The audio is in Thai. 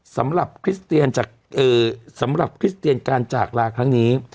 สำหรับคริสเตียนการจากลาครั้งนี้